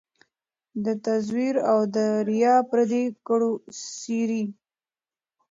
د تزویر او د ریا پردې کړو څیري